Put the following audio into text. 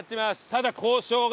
ただ交渉が。